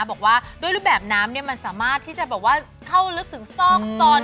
บอกว่าด้วยรูปแบบน้ำเนี่ยมันสามารถที่จะข้าวลึกถึงซอกซอน